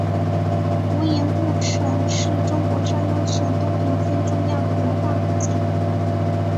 无盐故城是中国山东省东平县重要的文化古迹。